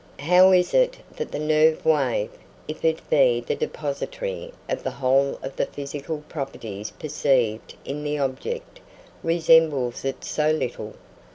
How is it that the nerve wave, if it be the depository of the whole of the physical properties perceived in the object, resembles it so little?